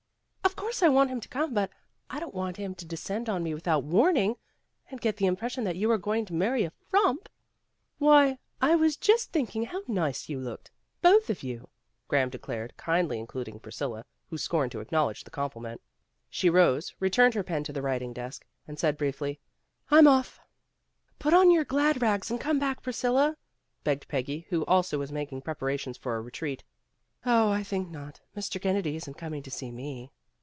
'' Of course, I want him to come. But I don 't want him to descend on me without warning, and get the impression that you are going to marry a frump." "Why, I was just thinking how nice you looked both of you," Graham declared, kindly including Priscilla, who scorned to acknowledge the compliment. She rose, re turned her pen to the writing desk, and said briefly, "I'm off." '' Put on your glad rags and come back, Pris cilla," begged Peggy, who also was making preparations for a retreat. 1 i Oh, I think not. Mr. Kennedy isn 't coming to see me."